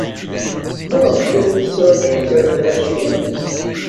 Maɣef kan ur tettṛajumt ara da cwiṭ?